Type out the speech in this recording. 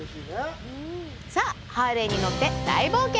さあ、ハーレーに乗って大冒険。